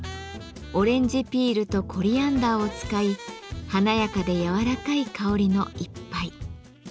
オレンジピールとコリアンダーを使い華やかで柔らかい香りの一杯。